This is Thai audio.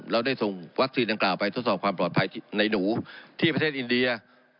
เราได้ส่งวัคซีนอันกล่าวไปทดสอบความปลอดภัย